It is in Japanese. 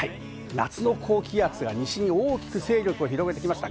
夏の高気圧が西に大きく勢力を広げてきました。